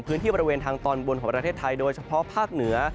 พื้นที่บริเวณทางตอนบนของประเทศไทยโดยเฉพาะภาคเหนือ